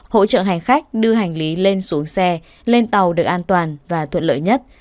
hỗ trợ hành khách đưa hành lý lên xuống xe lên tàu được an toàn và thuận lợi nhất